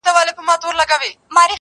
هم د بابا، هم د نیکه، حماسې هېري سولې٫